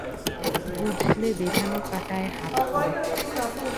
বুঝলে বেঁধানো কাঁটায় হাত পড়েছে।